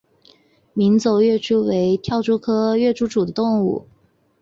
鸣走跃蛛为跳蛛科跃蛛属的动物。